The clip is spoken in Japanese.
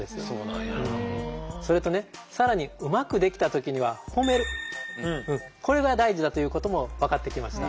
それとね更にうまくできた時には褒めるこれが大事だということも分かってきました。